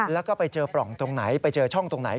แล้วก็ไปเจอปล่องตรงไหนไปเจอช่องตรงไหน